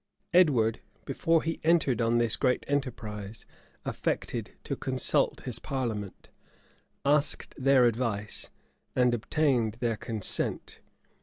Edward, before he entered on this great enterprise, affected to consult his parliament, asked their advice, and obtained their consent.